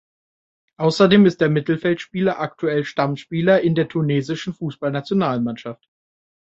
Außerdem ist der Mittelfeldspieler aktueller Stammspieler in der tunesischen Fußballnationalmannschaft.